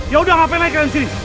yaudah ngapain naik ke dalam sini